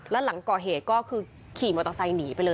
แล้วหลังก่อเหตุก็คือขี่มอเตอร์ไซค์หนีไปเลย